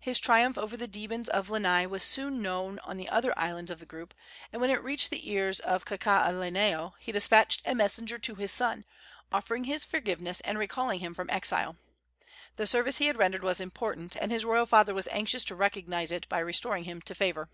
His triumph over the demons of Lanai was soon known on the other islands of the group, and when it reached the ears of Kakaalaneo he despatched a messenger to his son, offering his forgiveness and recalling him from exile. The service he had rendered was important, and his royal father was anxious to recognize it by restoring him to favor.